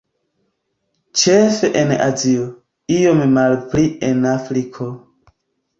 Ĉefe en Azio, iom malpli en Afriko.